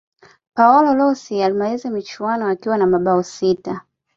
paolo rossi alimaliza michuano akiwa na mabao sita